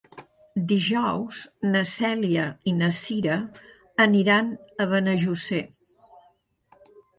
Dijous na Cèlia i na Cira aniran a Benejússer.